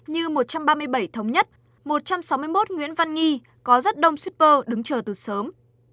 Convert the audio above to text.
như một trăm ba mươi bảy thống nhất một trăm sáu mươi một nguyễn văn nghi có rất đông shipper đứng chờ từ sớm